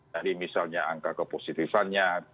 jadi misalnya angka kepositifannya